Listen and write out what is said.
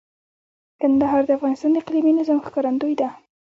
کندهار د افغانستان د اقلیمي نظام ښکارندوی ده.